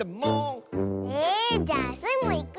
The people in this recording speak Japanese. えじゃあスイもいく。